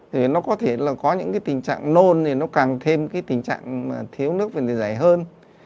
thì nó có thể là có những cái tình trạng nôn thì nó càng thêm cái tình trạng thiếu nước và điện giải hơn